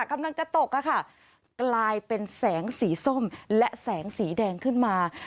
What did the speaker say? กำลังจะตกอะค่ะกลายเป็นแสงสีส้มและแสงสีแดงขึ้นมา